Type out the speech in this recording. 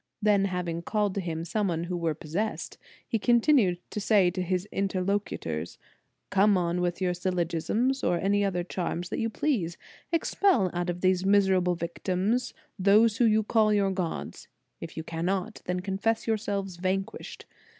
Then havino o called to him some who were possessed, he continued to say to his interlocutors: "Come on with your syllogisms, or any other charm that you please. Expel out of these misera ble victims those whom you call your gods. If you cannot, then confess yourselves van quished.